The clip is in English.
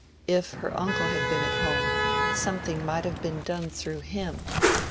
If her uncle had been at home, something might have been done through him!